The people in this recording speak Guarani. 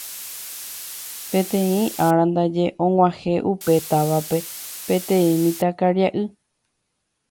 Peteĩ ára ndaje og̃uahẽ upe távape peteĩ mitãkaria'y